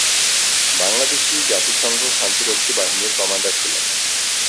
বাংলাদেশী জাতিসংঘ শান্তিরক্ষী বাহিনীর কমান্ডার ছিলেন।